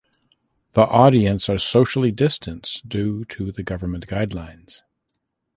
The audience are socially distanced due to the Government guidelines.